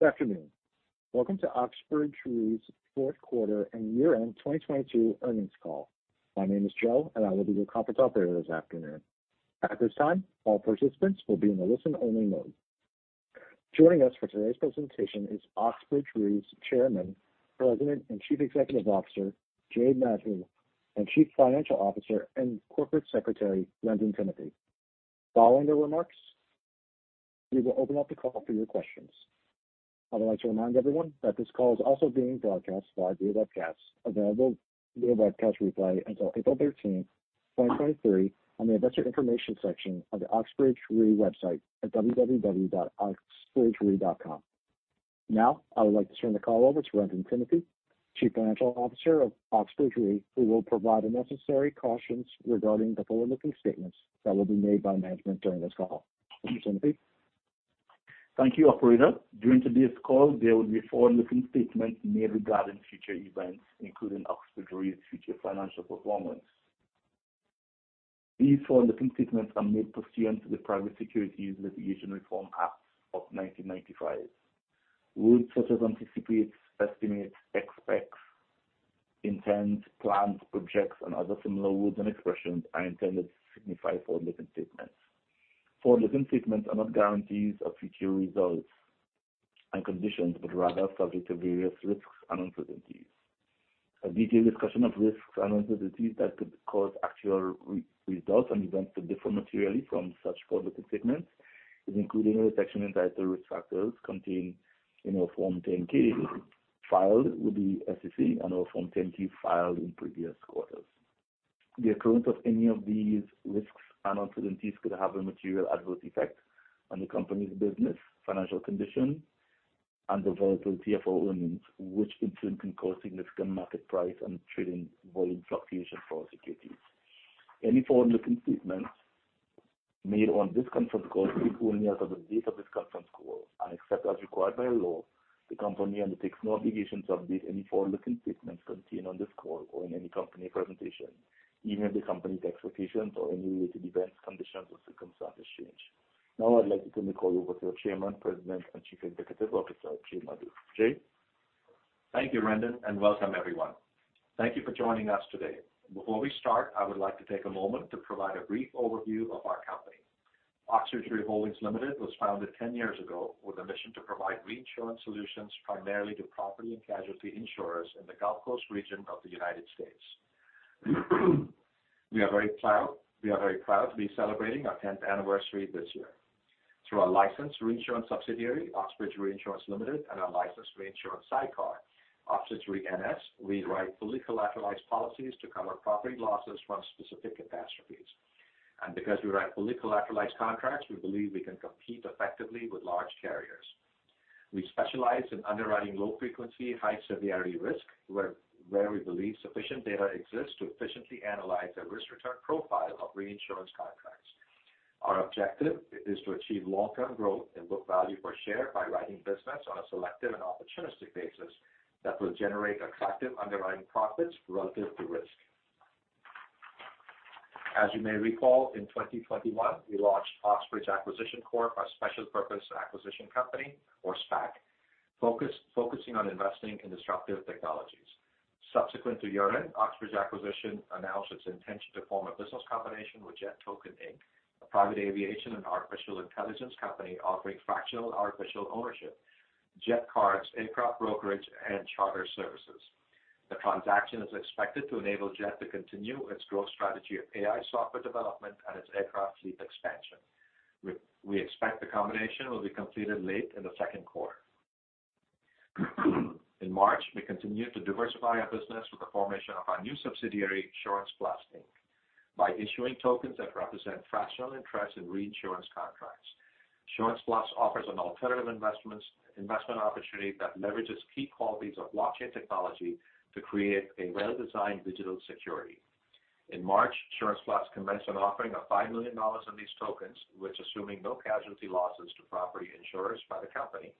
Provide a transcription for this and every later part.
Good afternoon. Welcome to Oxbridge Re's fourth quarter and year-end 2022 earnings call. My name is Joe, and I will be your conference operator this afternoon. At this time, all participants will be in a listen-only mode. Joining us for today's presentation is Oxbridge Re's Chairman, President, and Chief Executive Officer, Jay Madhu, and Chief Financial Officer and Corporate Secretary, Wrendon Timothy. Following their remarks, we will open up the call for your questions. I would like to remind everyone that this call is also being broadcast via webcast, available via webcast replay until April 13, 2023 on the Investor Information section of the Oxbridge Re website at www.oxbridgere.com. Now I would like to turn the call over to Wrendon Timothy, Chief Financial Officer of Oxbridge Re, who will provide the necessary cautions regarding the forward-looking statements that will be made by management during this call. Timothy? Thank you, operator. During today's call, there will be forward-looking statements made regarding future events, including Oxbridge Re's future financial performance. These forward-looking statements are made pursuant to the Private Securities Litigation Reform Act of 1995. Words such as anticipates, estimates, expects, intends, plans, projects, and other similar words and expressions are intended to signify forward-looking statements. Forward-looking statements are not guarantees of future results and conditions, but rather subject to various risks and uncertainties. A detailed discussion of risks and uncertainties that could cause actual results and events to differ materially from such forward-looking statements is included in the section entitled Risk Factors contained in our Form 10-K filed with the SEC and our Form 10-Q filed in previous quarters. The occurrence of any of these risks and uncertainties could have a material adverse effect on the company's business, financial condition, and the volatility of our earnings, which in turn can cause significant market price and trading volume fluctuation for our securities. Any forward-looking statements made on this conference call speak only as of the date of this conference call. Except as required by law, the company undertakes no obligation to update any forward-looking statements contained on this call or in any company presentation, even if the company's expectations or any related events, conditions, or circumstances change. Now I'd like to turn the call over to our Chairman, President, and Chief Executive Officer, Jay Madhu. Jay? Thank you, Wrendon, welcome everyone. Thank you for joining us today. Before we start, I would like to take a moment to provide a brief overview of our company. Oxbridge Re Holdings Limited was founded 10 years ago with a mission to provide reinsurance solutions primarily to property and casualty insurers in the Gulf Coast region of the United States. We are very proud to be celebrating our 10th anniversary this year. Through our licensed reinsurance subsidiary, Oxbridge Reinsurance Limited and our licensed reinsurance sidecar, Oxbridge Re NS, we write fully collateralized policies to cover property losses from specific catastrophes. Because we write fully collateralized contracts, we believe we can compete effectively with large carriers. We specialize in underwriting low frequency, high severity risk where we believe sufficient data exists to efficiently analyze the risk return profile of reinsurance contracts. Our objective is to achieve long-term growth and book value per share by writing business on a selective and opportunistic basis that will generate attractive underwriting profits relative to risk. As you may recall, in 2021, we launched Oxbridge Acquisition Corp, our special purpose acquisition company or SPAC, focusing on investing in disruptive technologies. Subsequent to year-end, Oxbridge Acquisition announced its intention to form a business combination with Jet Token Inc, a private aviation and artificial intelligence company offering fractional artificial ownership, jet cards, aircraft brokerage, and charter services. The transaction is expected to enable Jet to continue its growth strategy of AI software development and its aircraft fleet expansion. We expect the combination will be completed late in the second quarter. In March, we continued to diversify our business with the formation of our new subsidiary, SurancePlus Inc. By issuing tokens that represent fractional interest in reinsurance contracts, SurancePlus offers an alternative investment opportunity that leverages key qualities of blockchain technology to create a well-designed digital security. In March, SurancePlus commenced an offering of $5 million in these tokens, which assuming no casualty losses to property insurers by the company,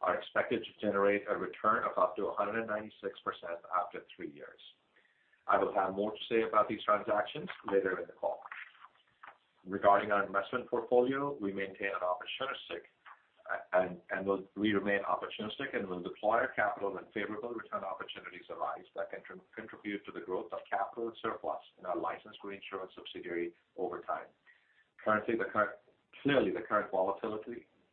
are expected to generate a return of up to 196% after three years. I will have more to say about these transactions later in the call. Regarding our investment portfolio, we maintain an opportunistic and we remain opportunistic and will deploy our capital when favorable return opportunities arise that can contribute to the growth of capital surplus in our licensed reinsurance subsidiary over time. Clearly, the current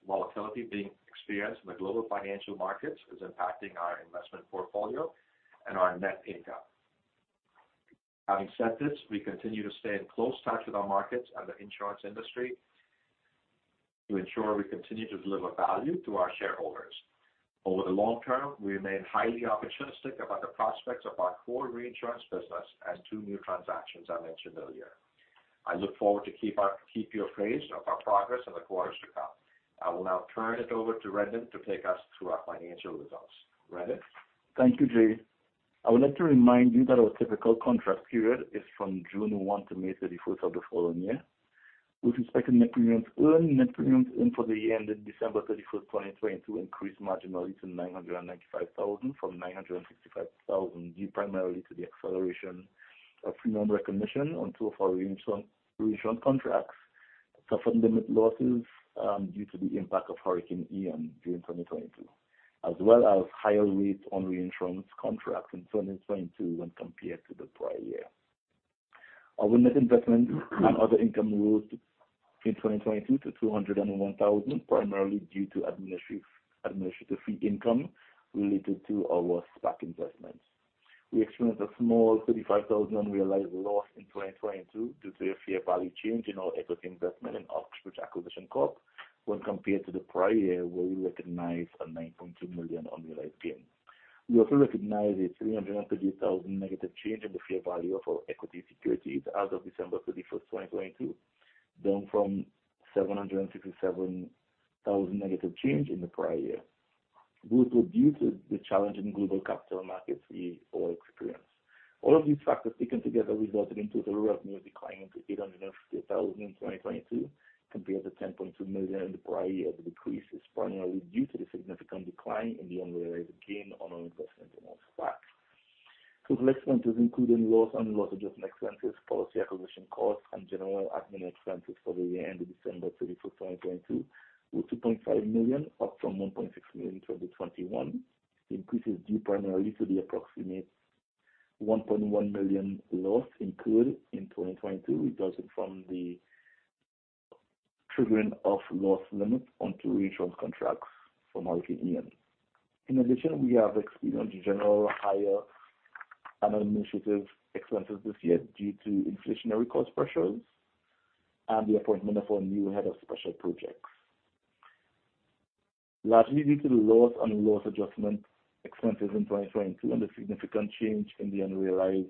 volatility being experienced in the global financial markets is impacting our investment portfolio and our net income. Having said this, we continue to stay in close touch with our markets and the insurance industry to ensure we continue to deliver value to our shareholders. Over the long term, we remain highly opportunistic about the prospects of our core reinsurance business and two new transactions I mentioned earlier. I look forward to keep you appraised of our progress in the quarters to come. I will now turn it over to Rendon to take us through our financial results. Wrendon? Thank you, Jay. I would like to remind you that our typical contract period is from June 1 to May 31st of the following year. With respect to net premiums earned, net premiums earned for the year ended December 31st, 2022 increased marginally to $995,000 from $965,000, due primarily to the acceleration of premium recognition on two of our reinsurance contracts suffered limit losses due to the impact of Hurricane Ian during 2022, as well as higher rates on reinsurance contracts in 2022 when compared to the prior year. Our net investment and other income rose in 2022 to $201,000, primarily due to administrative fee income related to our SPAC investments. We experienced a small $35,000 unrealized loss in 2022 due to a fair value change in our equity investment in Oxbridge Acquisition Corp when compared to the prior year where we recognized a $9.2 million unrealized gain. We also recognized a $338,000 negative change in the fair value of our equity securities as of December 31st, 2022, down from $767,000 negative change in the prior year, due to the challenge in global capital markets we all experienced. All of these factors taken together resulted into total revenue declining to $850,000 in 2022 compared to $10.2 million in the prior year. The decrease is primarily due to the significant decline in the unrealized gain on our investment in OxSPAC. Total expenses, including loss and loss adjustment expenses, policy acquisition costs, and general admin expenses for the year ended December 31st, 2022, were $2.5 million, up from $1.6 million in 2021. The increase is due primarily to the approximate $1.1 million loss incurred in 2022 resulting from the triggering of loss limits onto reinsurance contracts from Hurricane Ian. In addition, we have experienced general higher admin initiative expenses this year due to inflationary cost pressures and the appointment of our new Head of Special Projects. Largely due to the loss and loss adjustment expenses in 2022 and the significant change in the unrealized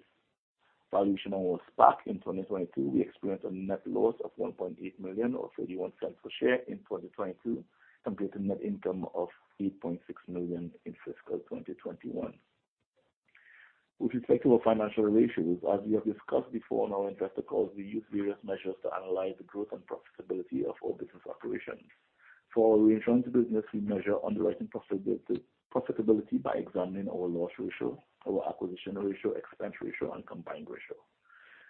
valuation on OxSPAC in 2022, we experienced a net loss of $1.8 million or $0.31 per share in 2022, compared to net income of $8.6 million in fiscal 2021. With respect to our financial ratios, as we have discussed before on our investor calls, we use various measures to analyze the growth and profitability of our business operations. For our reinsurance business, we measure underwriting profitability by examining our loss ratio, our acquisition ratio, expense ratio and combined ratio.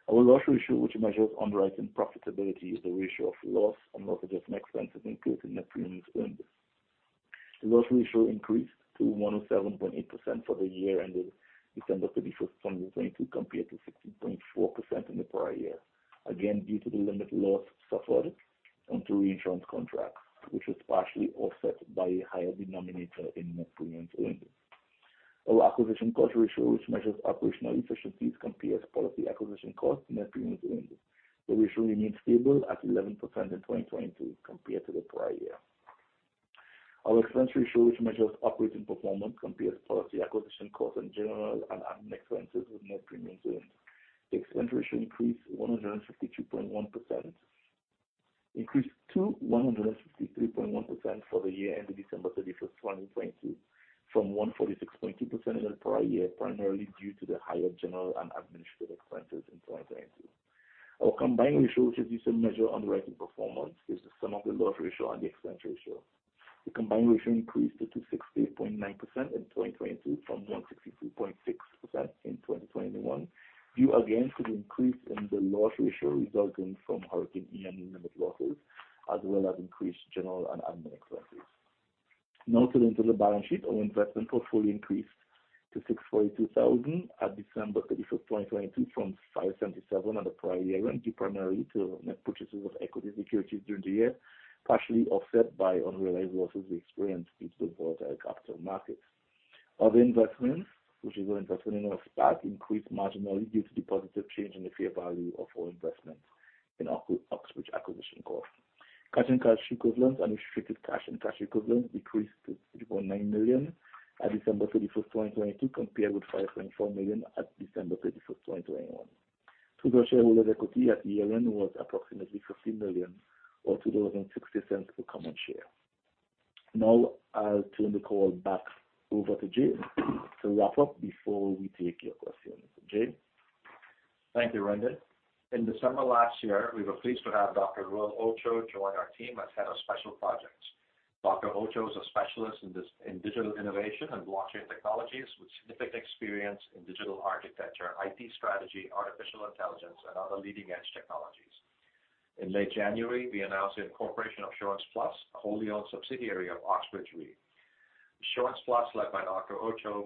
Our loss ratio, which measures underwriting profitability, is the ratio of loss and loss adjustment expenses included in net premiums earned. The loss ratio increased to 107.8% for the year ended December 31st, 2022, compared to 16.4% in the prior year, again due to the limit loss suffered onto reinsurance contracts, which was partially offset by a higher denominator in net premiums earned. Our acquisition cost ratio, which measures operational efficiencies, compares policy acquisition costs to net premiums earned. The ratio remained stable at 11% in 2022 compared to the prior year. Our expense ratio, which measures operating performance, compares policy acquisition costs and general and admin expenses with net premiums earned. The expense ratio increased to 153.1% for the year ended December 31st, 2022, from 146.2% in the prior year, primarily due to the higher general and administrative expenses in 2022. Our combined ratio, which is used to measure underwriting performance, is the sum of the loss ratio and the expense ratio. The combined ratio increased to 68.9% in 2022 from 162.6% in 2021, due again to the increase in the loss ratio resulting from Hurricane Ian and limit losses, as well as increased general and admin expenses. Now turning to the balance sheet. Our investments are fully increased to $642,000 at December 31, 2022, from $577,000 at the prior year-end, due primarily to net purchases of equity securities during the year, partially offset by unrealized losses experienced due to volatile capital markets. Other investments, which is our investment in Oxbridge Acquisition Corp., increased marginally due to the positive change in the fair value of our investment in Oxbridge Acquisition Corp. Cash and cash equivalents, unrestricted cash and cash equivalents decreased to $3.9 million at December 31st, 2022, compared with $5.4 million at December 31st, 2021. Total shareholder equity at year-end was approximately $50 million or $2.60 per common share. I'll turn the call back over to Jay to wrap up before we take your questions. Jay? Thank you, Wrendon. In December last year, we were pleased to have Dr. Roy Ojha join our team as head of special projects. Dr. Ojha is a specialist in digital innovation and blockchain technologies with significant experience in digital architecture, IT strategy, artificial intelligence, and other leading-edge technologies. In late January, we announced the incorporation of SurancePlus, a wholly owned subsidiary of Oxbridge Re. SurancePlus, led by Dr. Ojha,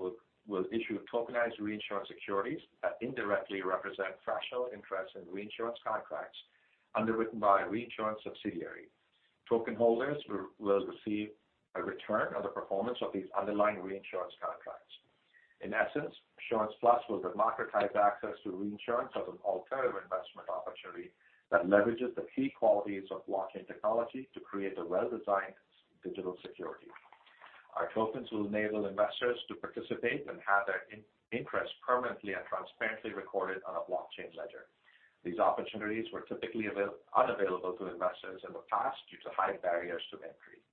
will issue tokenized reinsurance securities that indirectly represent fractional interest in reinsurance contracts underwritten by a reinsurance subsidiary. Token holders will receive a return on the performance of these underlying reinsurance contracts. In essence, SurancePlus will democratize access to reinsurance as an alternative investment opportunity that leverages the key qualities of blockchain technology to create a well-designed digital security. Our tokens will enable investors to participate and have their in-interest permanently and transparently recorded on a blockchain ledger. These opportunities were typically unavailable to investors in the past due to high barriers to entry.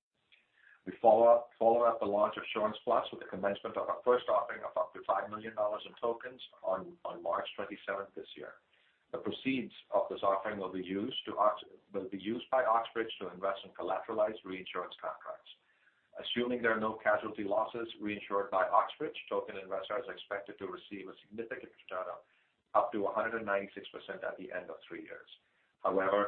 We follow up the launch of SurancePlus with the commencement of our first offering of up to $5 million in tokens on March 27th this year. The proceeds of this offering will be used by Oxbridge to invest in collateralized reinsurance contracts. Assuming there are no casualty losses reinsured by Oxbridge, token investors are expected to receive a significant return up to 196% at the end of three years.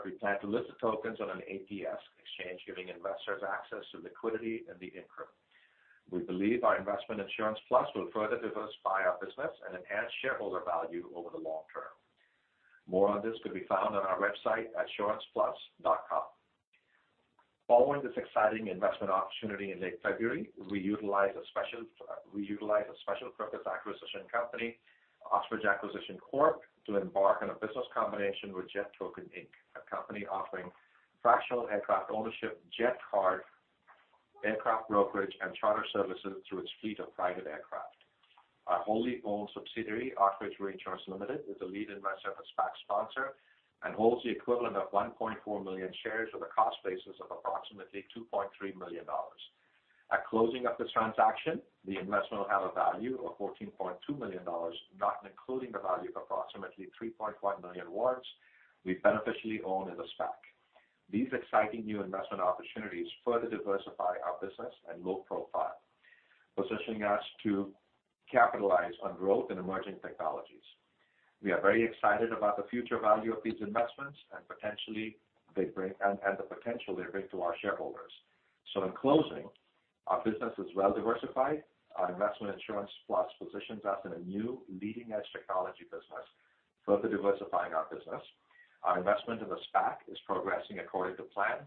We plan to list the tokens on an ATS exchange, giving investors access to liquidity and the increment. We believe our investment SurancePlus will further diversify our business and enhance shareholder value over the long term. More on this could be found on our website at SurancePlus.com. Following this exciting investment opportunity in late February, we utilize a special purpose acquisition company, Oxbridge Acquisition Corp., to embark on a business combination with Jet Token Inc., a company offering fractional aircraft ownership, Jet Card, aircraft brokerage, and charter services through its fleet of private aircraft. Our wholly owned subsidiary, Oxbridge Reinsurance Limited, is the lead investor as SPAC sponsor and holds the equivalent of 1.4 million shares with a cost basis of approximately $2.3 million. At closing of this transaction, the investment will have a value of $14.2 million, not including the value of approximately 3.1 million warrants we beneficially own as a SPAC. These exciting new investment opportunities further diversify our business and low profile, positioning us to capitalize on growth in emerging technologies. We are very excited about the future value of these investments and the potential they bring to our shareholders. In closing, our business is well diversified. Our investment SurancePlus positions us in a new leading-edge technology business, further diversifying our business. Our investment in the SPAC is progressing according to plan.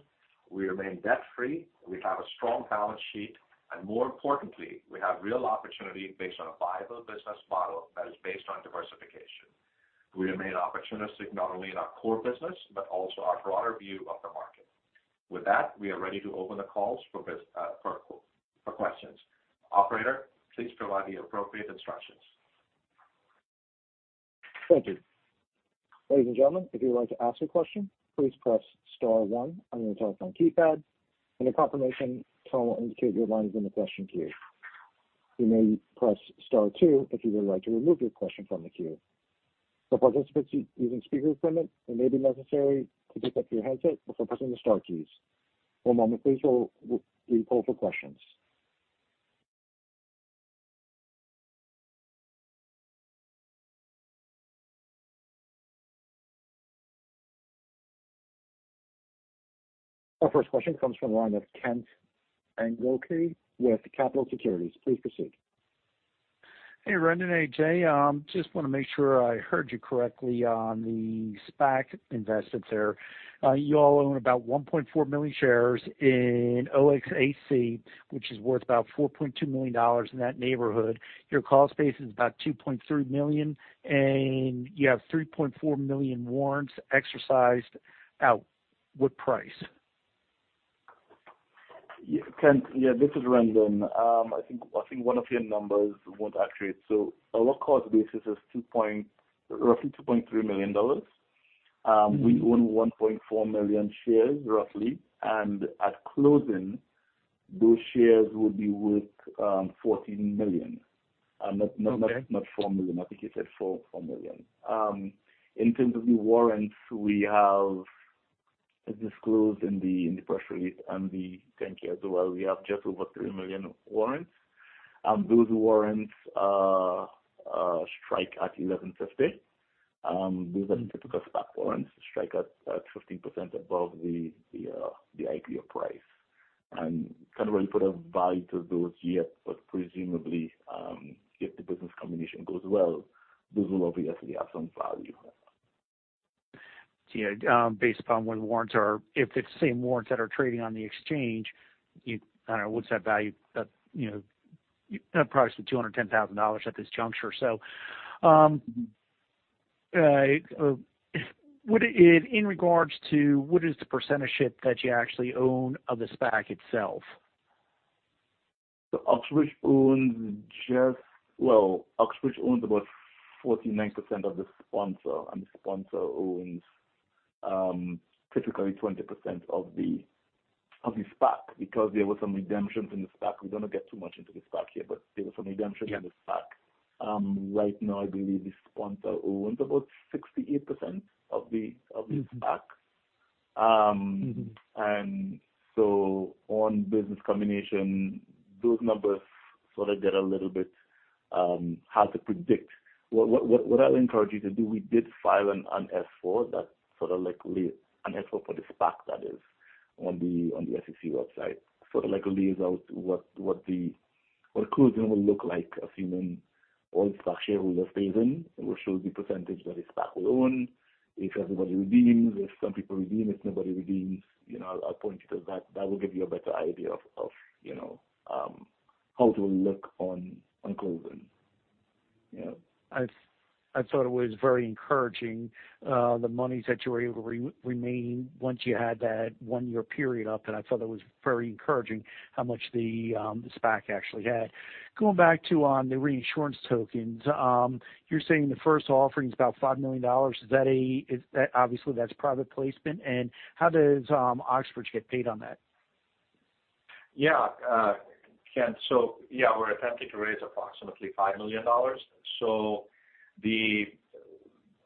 We remain debt-free, we have a strong balance sheet, and more importantly, we have real opportunity based on a viable business model that is based on diversification. We remain opportunistic not only in our core business but also our broader view of the market. With that, we are ready to open the calls for questions. Operator, please provide the appropriate instructions. Thank you. Ladies and gentlemen, if you would like to ask a question, please press star 1 on your telephone keypad, a confirmation tone will indicate your line is in the question queue. You may press star 2 if you would like to remove your question from the queue. For participants using speakerphone, it may be necessary to pick up your headset before pressing the star keys. One moment, please, while we poll for questions. Our first question comes from the line of Kent Engelke with Capitol Securities. Please proceed. Hey, Wrendon, Jay, just want to make sure I heard you correctly on the SPAC investment there. You all own about 1.4 million shares in OXAC, which is worth about $4.2 million in that neighborhood. Your cost base is about $2.3 million, and you have 3.4 million warrants exercised out. What price? Kent, yeah, this is Wrendon. I think one of your numbers weren't accurate. Our cost basis is roughly $2.3 million. We own 1.4 million shares, roughly. At closing, those shares will be worth $14 million, not $4 million. I think you said $4 million. In terms of the warrants, we have disclosed in the press release and the Form 10-K as well. We have just over 3 million warrants. Those warrants strike at $11.50. These are typical SPAC warrants strike at 15% above the IPO price. Can't really put a value to those yet, but presumably, if the business combination goes well, those will obviously have some value. Yeah, based upon when the warrants if it's the same warrants that are trading on the exchange, I don't know, what's that value? That, you know, approximately $210,000 at this juncture. In regards to what is the percentage that you actually own of the SPAC itself? Well, Oxbridge owns about 49% of the sponsor. The sponsor owns, typically 20% of the SPAC because there were some redemptions in the SPAC. We don't want to get too much into the SPAC here. There were some redemptions in the SPAC. Right now, I believe the sponsor owns about 68% of the SPAC. On business combination, those numbers sort of get a little bit hard to predict. What I'll encourage you to do, we did file an S-4 that sort of like an S-4 for the SPAC that is on the SEC website, sort of like lays out what the closing will look like, assuming all the structure holders stays in. It will show the percentage that the SPAC will own. If everybody redeems, if some people redeem, if nobody redeems, you know, I'll point you to that. That will give you a better idea of, you know, how it will look on closing. Yeah. I thought it was very encouraging, the monies that you were able remain once you had that one-year period up. I thought that was very encouraging how much the SPAC actually had. Going back to on the reinsurance tokens, you're saying the first offering is about $5 million. Obviously, that's private placement? How does Oxbridge get paid on that? Yeah. Kent, we're attempting to raise approximately $5 million.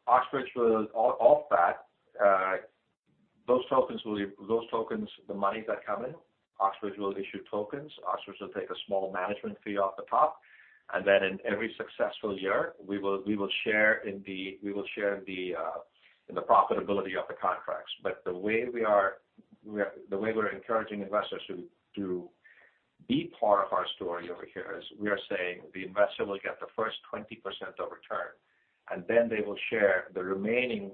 Oxbridge Re will off that, those tokens, the moneys that come in, Oxbridge Re will issue tokens. Oxbridge Re will take a small management fee off the top. Then in every successful year, we will share in the profitability of the contracts. The way we're encouraging investors to be part of our story over here is we are saying the investor will get the first 20% of return, and then they will share the remaining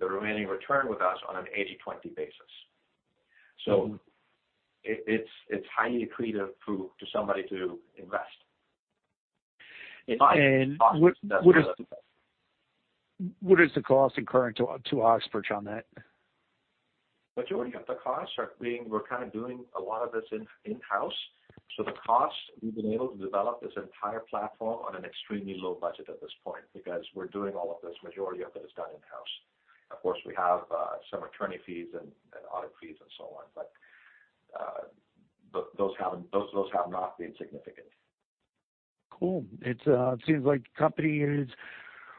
return with us on an 80/20 basis. It's highly accretive for, to somebody to invest. What is the cost incurred to Oxbridge on that? We're kinda doing a lot of this in-house. The costs, we've been able to develop this entire platform on an extremely low budget at this point because we're doing all of this, majority of it is done in-house. Of course, we have some attorney fees and audit fees and so on. Those have not been significant. Cool. It's, seems like the company is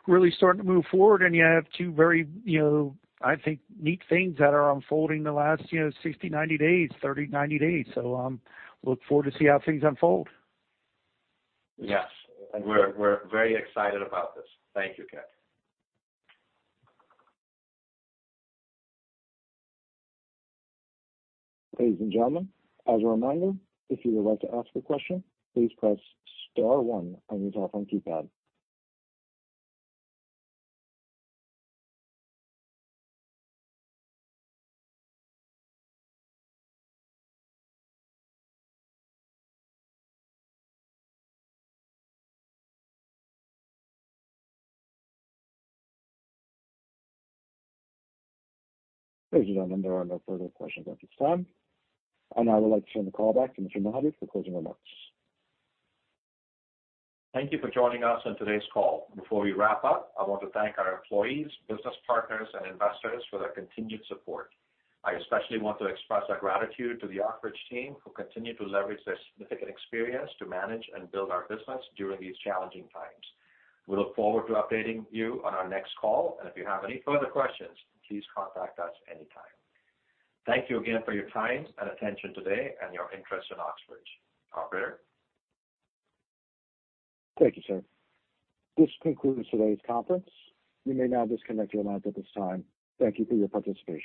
really starting to move forward, and you have two very, you know, I think, neat things that are unfolding the last, you know, 60, 90 days, 30, 90 days. Look forward to see how things unfold. Yes. We're very excited about this. Thank you, Ken. Ladies and gentlemen, as a reminder, if you would like to ask a question, please press star one on your telephone keypad. Ladies and gentlemen, there are no further questions at this time. I now would like to turn the call back to Mr. Madhu for closing remarks. Thank you for joining us on today's call. Before we wrap up, I want to thank our employees, business partners, and investors for their continued support. I especially want to express our gratitude to the Oxbridge Re team, who continue to leverage their significant experience to manage and build our business during these challenging times. We look forward to updating you on our next call. If you have any further questions, please contact us anytime. Thank you again for your time and attention today, and your interest in Oxbridge Re. Operator? Thank you, sir. This concludes today's conference. You may now disconnect your lines at this time. Thank you for your participation.